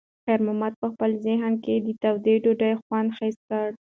خیر محمد په خپل ذهن کې د تودې ډوډۍ خوند حس کړ.